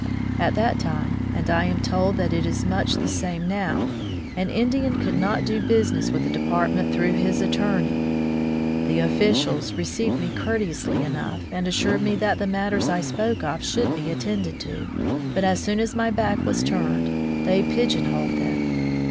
At that time — and I am told that it is much the same now — an Indian could not do busi 155 From the Deep Woods to CivUization ness with the Department through his attor ney. The officials received me courteously enough, and assured me that the matters I spoke of should be attended to, but as soon as my back was turned, they pigeon holed them.